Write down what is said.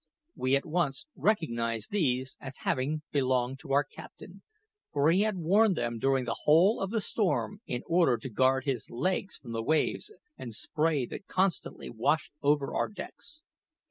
We at once recognised these as having belonged to our captain, for he had worn them during the whole of the storm in order to guard his legs from the waves and spray that constantly washed over our decks.